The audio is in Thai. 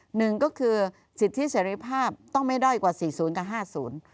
หนึ่งก็คือสิทธิเสร็จภาพต้องไม่ด้อยกว่า๔๐กับ๕๐